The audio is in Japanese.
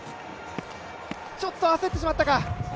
ちょっと焦ってしまったか。